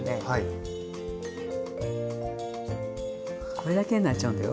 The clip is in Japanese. これだけになっちゃうんだよ。